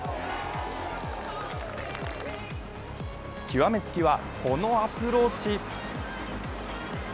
極め付きはこのアプローチ。